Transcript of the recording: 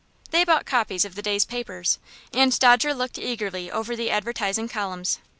They bought copies of the day's papers, and Dodger looked eagerly over the advertising columns.